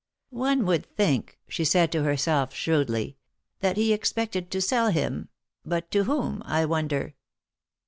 '^One would think," she said to herself, shrewdly, ^^that he expected to sell him ; but to whom, I wonder